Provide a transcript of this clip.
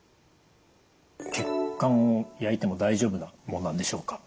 血管を焼いても大丈夫なものなんでしょうか？